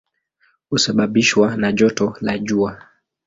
Husababishwa na joto la jua.